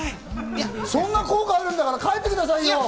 そんな効果あるんだから、帰ってくださいよ！